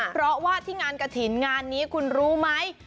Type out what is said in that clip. เพราะว่าที่งานกระถิ่นงานนี้คุณรู้ไหม